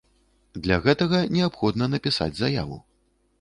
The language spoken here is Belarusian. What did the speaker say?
Для гэтага неабходна напісаць заяву.